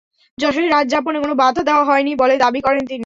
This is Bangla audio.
যশোরে রাত যাপনে কোনো বাধা দেওয়া হয়নি বলে দাবি করেন তিনি।